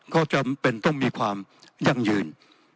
ก็จำเป็นต้องมีความยั่งยืน